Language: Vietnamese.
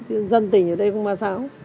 chứ dân tỉnh ở đây không sao